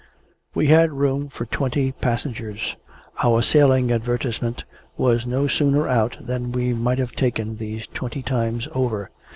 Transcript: We had room for twenty passengers. Our sailing advertisement was no sooner out, than we might have taken these twenty times over.